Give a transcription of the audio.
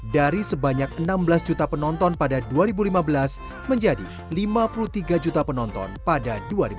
dari sebanyak enam belas juta penonton pada dua ribu lima belas menjadi lima puluh tiga juta penonton pada dua ribu delapan belas